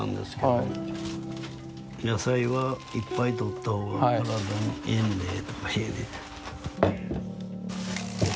野菜はいっぱいとった方が体にいいんでとか言うて。